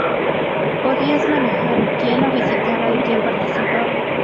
Podías manejar quien lo visitaba y quien participaba.